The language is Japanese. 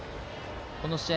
この試合